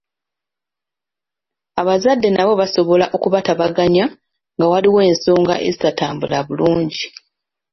Abazadde nabo basobola okubatabaganya nga waliwo ensonga ezitatambula bulungi.